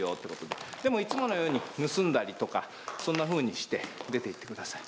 でもいつものように盗んだりとかそんなふうにして出ていってください。